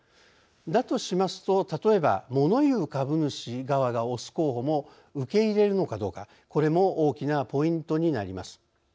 だとしますと例えばモノ言う株主側が推す候補も受け入れるのかどうかこれも大きなポイントになります。